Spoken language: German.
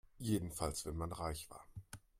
Jedenfalls wenn man reich war.